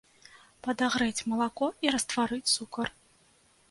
Падагрэць малако і растварыць цукар.